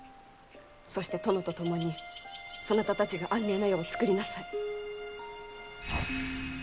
そして、殿と共に、そなたたちが安寧な世をつくりなさい。